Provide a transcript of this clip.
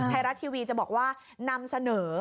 ไทยรัฐทีวีจะบอกว่านำเสนอ